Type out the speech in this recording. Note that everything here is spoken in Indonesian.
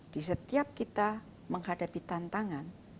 di setiap kita menghadapi tantangan